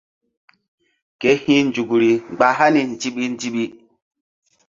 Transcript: Ke hi̧ nzukri mgba hani ndiɓi ndiɓi.